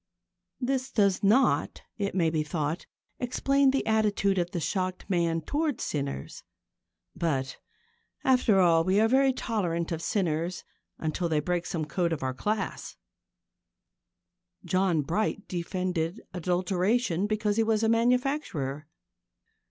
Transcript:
This does not, it may be thought, explain the attitude of the shocked man towards sinners. But, after all, we are very tolerant of sinners until they break some code of our class. John Bright defended adulteration because he was a manufacturer.